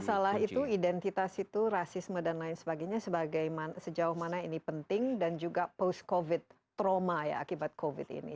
masalah itu identitas itu rasisme dan lain sebagainya sejauh mana ini penting dan juga post covid trauma ya akibat covid ini